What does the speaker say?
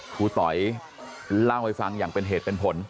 ต๋อยเล่าให้ฟังอย่างเป็นเหตุเป็นผล